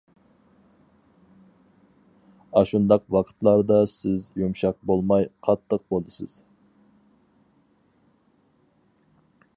ئاشۇنداق ۋاقىتلاردا سىز يۇمشاق بولماي، قاتتىق بولىسىز.